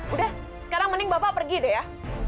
udah sekarang mending bapak pergi deh ya